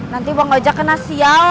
nanti bang ojak kena sial